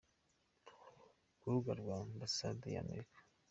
ku rubuga rwa Ambasade ya Amerika.